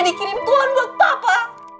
dikirim tuhan buat papa